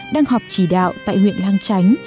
đang họp chỉ đạo tại huyện lang chánh